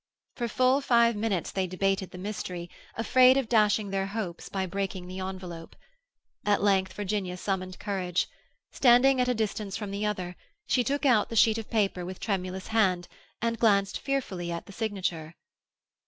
For full five minutes they debated the mystery, afraid of dashing their hopes by breaking the envelope. At length Virginia summoned courage. Standing at a distance from the other, she took out the sheet of paper with tremulous hand, and glanced fearfully at the signature.